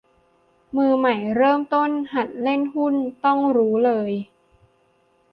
มือใหม่เริ่มต้นหัดเล่นหุ้นต้องรู้เลย